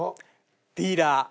ディーラー。